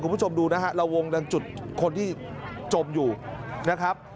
คุณผู้ชมดูนะฮะระวงดังจุดคนที่จมอยู่นะครับ